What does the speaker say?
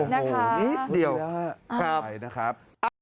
โอ้โหนิดเดียวไหลนะครับโอ้โหนิดเดียวไหลนะครับ